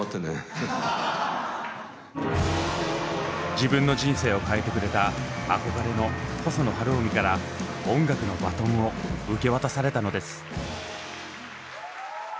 自分の人生を変えてくれた憧れの細野晴臣から音楽のバトンを受け渡されたのです。